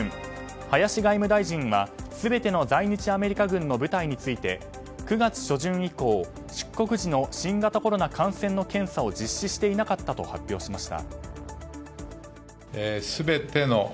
林外務大臣は全ての在日アメリカ軍の部隊について９月初旬以降出国時の新型コロナ感染の検査を実施していなかったと発表しました。